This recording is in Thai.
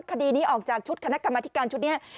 คดีนี้ออกจากชุดคณะกรรมธิการชุดนี้